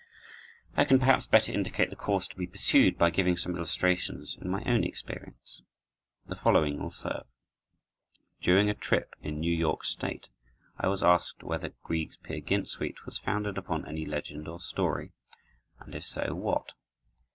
I can perhaps better indicate the course to be pursued by giving some illustrations in my own experience. The following will serve: During a trip in New York State I was asked whether Grieg's "Peer Gynt" suite was founded upon any legend or story, and if so, what.